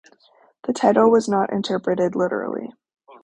The title was not interpreted literally.